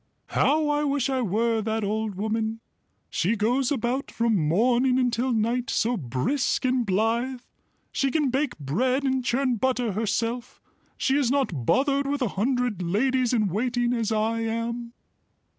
"How I wish I were that old woman. She goes about from morning until night, so brisk and blithe. She can bake bread and churn butter herself; she is not bothered with a hundred ladies in waiting as I am."